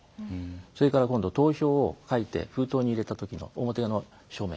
それから、投票を書いて封筒に入れた時の表の署名。